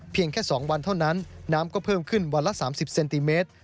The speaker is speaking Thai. แค่๒วันเท่านั้นน้ำก็เพิ่มขึ้นวันละ๓๐เซนติเมตร